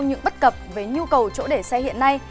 những bất cập về nhu cầu chỗ để xe hiện nay